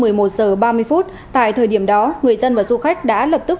trước lúc tại thời điểm đó người dân và du khách đã lập tức